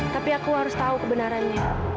tapi aku harus tahu kebenarannya